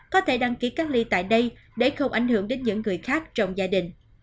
có thể đăng ký cách ly tại đây để không ảnh hưởng đến những người khác trong gia đình